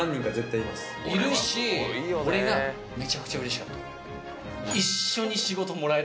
いるし、俺がめちゃくちゃうれしかった。